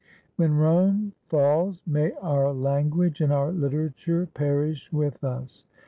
When Rome falls may our language and our literature perish with us.